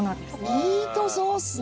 ミートソースね。